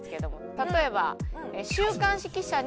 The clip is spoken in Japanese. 例えば。